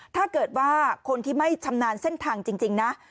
ถ้าเกิดว่าคนที่ไม่ชำนาญเส้นทางจริงนะ